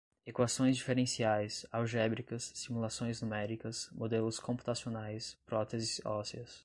Equações diferenciais, algébricas, simulações numéricas, modelos computacionais, próteses ósseas